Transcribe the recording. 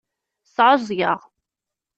Sɛuẓẓgeɣ.